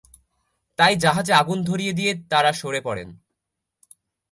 তাই জাহাজে আগুন ধরিয়ে দিয়ে তারা সরে পড়েন।